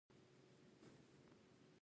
چپرهار ولسوالۍ نږدې ده؟